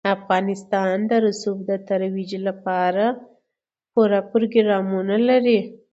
افغانستان د رسوب د ترویج لپاره پوره پروګرامونه لري.